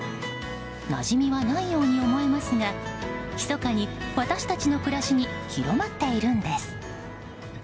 なじみはないように思えますがひそかに私たちの暮らしに広まっているんです。